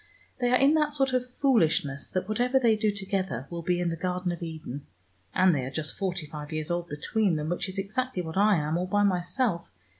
They are in that sort of foolishness, that whatever they do together will be in the Garden of Eden. And they are just forty five years old between them which is exactly what I am all by myself.